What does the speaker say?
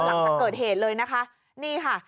หลังจากเกิดเหตุเลยนะคะนี่ค่ะ